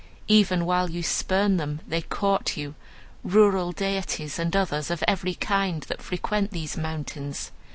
Even while you spurn them, they court you, rural deities and others of every kind that frequent these mountains.